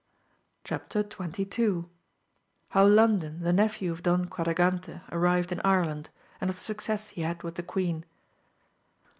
■» Chap. XXII. — ^How Landin the nephew of Pon Qnadragante ariived in Ireland, and of the sucoess he had with the queen.